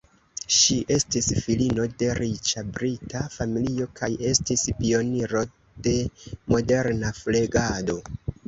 Ŝi estis filino de riĉa brita familio kaj estis pioniro de moderna flegado.